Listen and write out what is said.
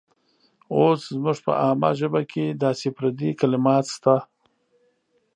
اوس زموږ په عامه ژبه کې داسې پردي کلمات شته.